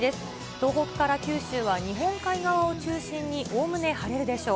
東北から九州は日本海側を中心に、おおむね晴れるでしょう。